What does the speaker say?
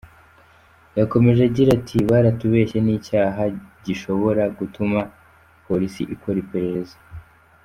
Yakomeje agira ati “Baratubeshye ni n’icyaha gishobora gutuma Polisi ikora iperereza.